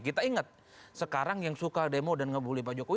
kita ingat sekarang yang suka demo dan ngebully pak jokowi